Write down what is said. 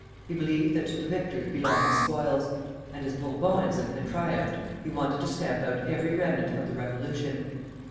He believed that to the victors belong the spoils; and as Bourbonism had triumphed, he wanted to stamp out every remnant of the Revolution.